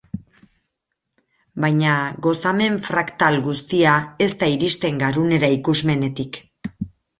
Baina gozamen fraktal guztia ez da iristen garunera ikusmenetik.